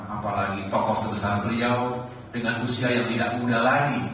apalagi tokoh sebesar beliau dengan usia yang tidak muda lagi